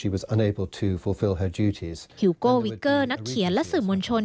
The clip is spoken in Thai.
ฮิวโก้วิกเกอร์นักเขียนและสื่อมวลชน